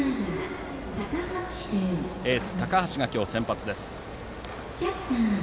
エース、高橋が今日の先発です。